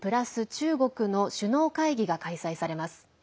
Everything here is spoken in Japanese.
中国の首脳会議が開催されます。